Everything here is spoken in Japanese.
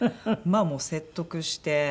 あもう説得して。